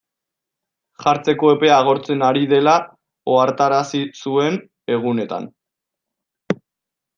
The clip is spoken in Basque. Jartzeko epea agortzen ari dela ohartarazi zuen egunetan.